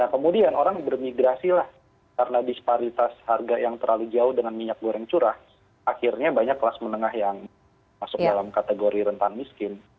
nah kemudian orang bermigrasi lah karena disparitas harga yang terlalu jauh dengan minyak goreng curah akhirnya banyak kelas menengah yang masuk dalam kategori rentan miskin